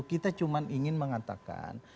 kita cuma ingin mengatakan